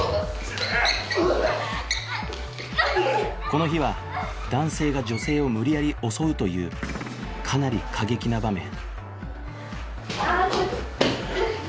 この日は男性が女性を無理やり襲うというかなり過激な場面